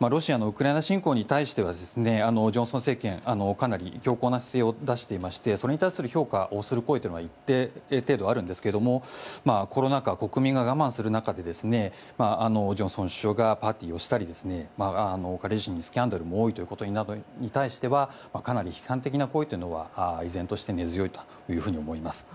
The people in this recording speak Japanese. ロシアのウクライナ侵攻に対してはジョンソン政権かなり強硬な姿勢を出していましてそれに対する評価をする声は一定程度あるんですがコロナ禍、国民が我慢する中でジョンソン首相がパーティーをしたり彼自身のスキャンダルも多いということに対してはかなり批判的な声は依然として根強いと思います。